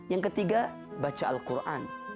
yang ketiga baca al quran